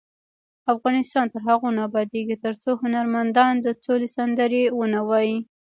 افغانستان تر هغو نه ابادیږي، ترڅو هنرمندان د سولې سندرې ونه وايي.